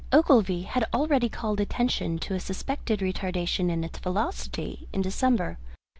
Ogilvy had already called attention to a suspected retardation in its velocity in December.